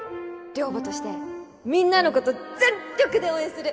寮母としてみんなのこと全力で応援する